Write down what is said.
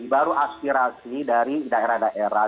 baru aspirasi dari daerah daerah